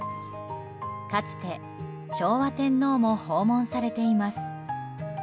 かつて、昭和天皇も訪問されています。